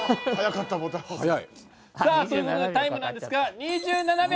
さあという事でタイムなんですが２７秒！